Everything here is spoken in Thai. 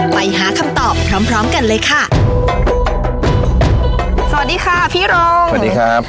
ไปหาคำตอบพร้อมพร้อมกันเลยค่ะสวัสดีค่ะพี่รองสวัสดีครับ